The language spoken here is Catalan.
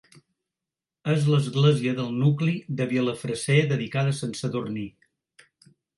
És l'església del nucli de Vilafreser dedicada a Sant Sadurní.